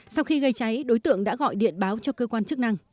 sau khi gây cháy đối tượng đã gọi điện báo cho cơ quan chức năng